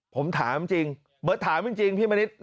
ผมถามจริงถามจริงพี่มณิษฐ์